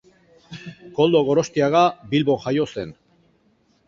Koldo Gorostiaga Bilbon jaio zen.